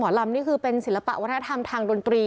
ลำนี่คือเป็นศิลปะวัฒนธรรมทางดนตรี